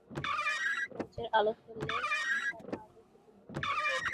টর্চের আলো ফেললেন নিসার আলির মুখে।